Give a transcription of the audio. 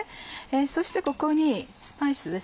そしてここにスパイスです。